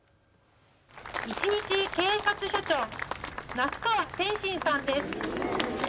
１日警察署長、那須川天心さんです。